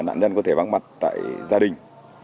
nạn nhân có thể vắng mặt tại gia đình